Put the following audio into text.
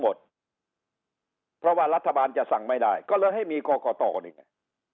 หมดเพราะว่ารัฐบาลจะสั่งไม่ได้ก็เลยให้มีกรกตนี่ไง